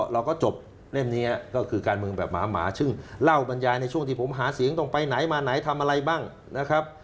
เราก็จบเล่มนี้ก็คือการเมืองแบบหมาซึ่งเล่าบรรยายในช่วงที่ผมหาเสียงต้องไปไหนมาไหนทำอะไรบ้างนะครับ